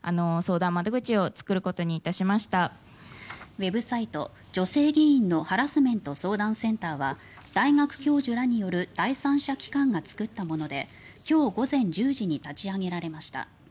ウェブサイト、女性議員のハラスメント相談センターは大学教授らによる第三者機関が作ったもので今日午前１０時に立ち上げられました。